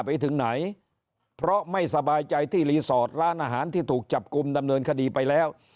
ไปถึงไหนเพราะไม่สบายใจที่รีสอร์ทร้านอาหารที่ถูกจับกลุ่มดำเนินคดีไปแล้ว